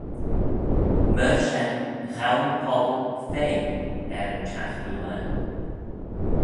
Myr shen ghow'n pobble fea er y chiaghtoo laa.